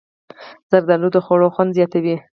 زردالو د خوړو خوند زیاتوي.